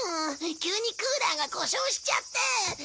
急にクーラーが故障しちゃって。